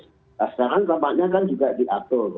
nah sekarang tampaknya kan juga diatur